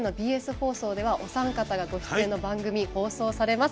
放送ではお三方がご出演の番組放送されます。